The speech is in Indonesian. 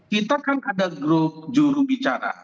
kita kan ada grup jurubicara